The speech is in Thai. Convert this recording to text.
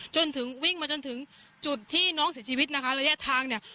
จนถึงวิ่งมาจนถึงจุดที่น้องเสียชีวิตนะคะระยะทางเนี่ย